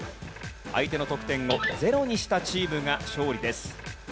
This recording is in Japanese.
相手の得点をゼロにしたチームが勝利です。